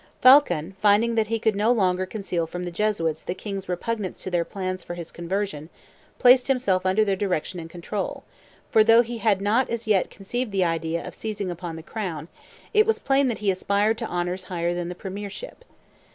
Phaulkon, finding that he could no longer conceal from the Jesuits the king's repugnance to their plans for his conversion, placed himself under their direction and control; for though he had not as yet conceived the idea of seizing upon the crown, it was plain that he aspired to honors higher than the premiership.